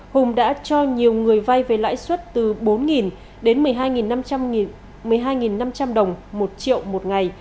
hùng đã cho nhiều người vay với lãi suất từ bốn đến một mươi hai năm trăm linh đồng một triệu một ngày